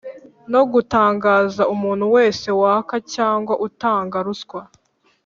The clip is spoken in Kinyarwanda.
no gutangaza umuntu wese waka cyangwa utanga ruswa